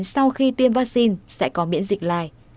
sau khi tiêm vaccine sẽ có miễn dịch lại